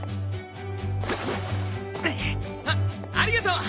あありがとう！